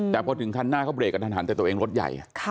แต่พอถึงขั้นหน้าเค้าเบรชนทันทันแต่ตัวเองรถใหญ่ค่ะ